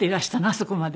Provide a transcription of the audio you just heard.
あそこまで。